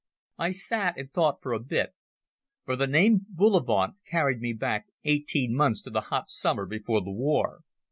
I sat and thought for a bit, for the name "Bullivant' carried me back eighteen months to the hot summer before the war.